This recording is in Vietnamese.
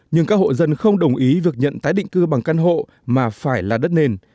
nhưng các hộ dân không đồng ý việc nhận tái định cư bằng căn hộ mà phải là đất nền